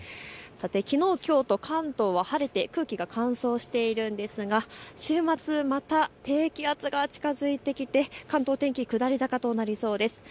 さて、きのう、きょうと関東は晴れて空気が乾燥しているんですが週末、また低気圧が近づいてきて関東、天気、下り坂になりそうです。